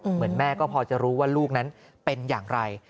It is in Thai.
เหมือนแม่ก็พอจะรู้ว่าลูกนั้นเป็นอย่างไร